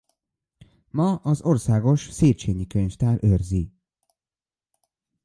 Ma az Országos Széchényi Könyvtár őrzi.